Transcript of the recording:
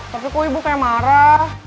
tapi kok ibu kayak marah